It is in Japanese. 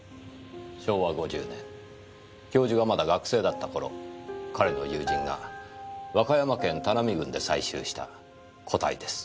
昭和５０年教授がまだ学生だった頃彼の友人が和歌山県田波郡で採集した個体です。